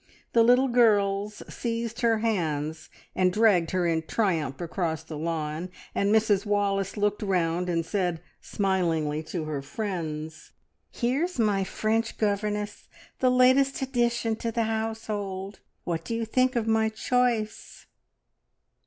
The little girls seized her hands and dragged her in triumph across the lawn, and Mrs Wallace looked round, and said smilingly to her friends "Here's my French governess the latest addition to the household. What do you think of my choice?"